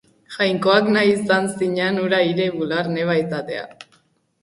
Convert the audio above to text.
Jainkoak nahi izan zinan hura hire bular neba izatea.